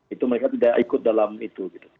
itu mereka tidak ikut dalam itu